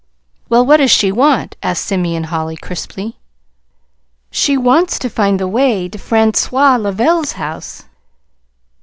"Well, what does she want?" asked Simeon Holly crisply. "She wants to find the way to Francois Lavelle's house.